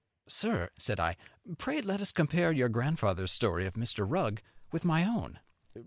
"Sir," said I, "pray let us compare your grandfather's story of Mr. Rugg with my own."